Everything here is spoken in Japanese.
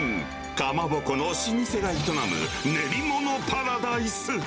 かまぼこの老舗が営む練り物パラダイス。